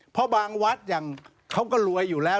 เพราะบางวัดอย่างเขาก็รวยอยู่แล้ว